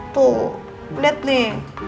tuh lihat nih